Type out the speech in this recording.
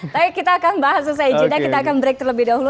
tapi kita akan bahas selesai jeda kita akan break terlebih dahulu